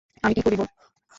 আমি কি করিব?